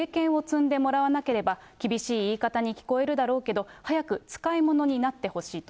とにかく経験を積んでもらわなければ厳しい言い方に聞こえるけど早く使いものになってほしいと。